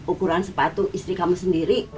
ukuran sepatu istri kamu sendiri